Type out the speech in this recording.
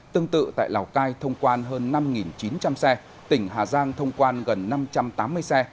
tương tự tại lào cai thông quan hơn năm chín trăm linh xe tỉnh hà giang thông quan gần năm trăm tám mươi xe